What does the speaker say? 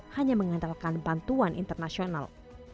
hanya mengandalkan bantuan internasional